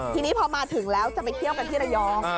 ทีนี้พอมาถึงแล้วจะไปเที่ยวกันที่ระยอง